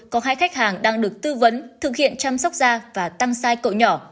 có hai khách hàng đang được tư vấn thực hiện chăm sóc da và tăng sai cậu nhỏ